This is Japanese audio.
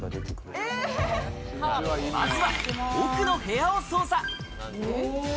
まずは奥の部屋を捜査。